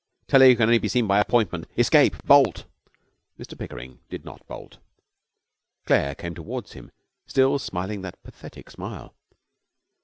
'Tell her you can only be seen by appointment! Escape! Bolt!' Mr Pickering did not bolt. Claire came towards him, still smiling that pathetic smile.